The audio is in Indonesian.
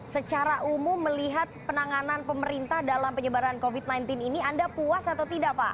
secara umum melihat penanganan pemerintah dalam penyebaran covid sembilan belas ini anda puas atau tidak pak